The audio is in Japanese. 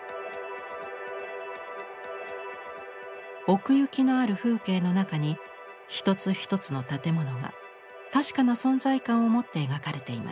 奥行きのある風景の中に一つ一つの建物が確かな存在感を持って描かれています。